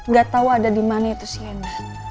gak tahu ada di mana itu shaina